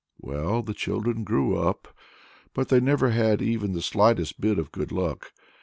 Well, the children grew up, but they never had even the slightest bit of good luck.